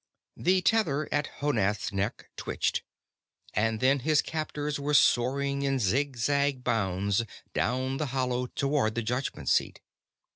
The tether at Honath's neck twitched, and then his captors were soaring in zig zag bounds down into the hollow toward the Judgment Seat.